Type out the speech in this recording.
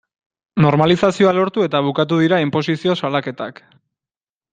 Normalizazioa lortu eta bukatu dira inposizio salaketak.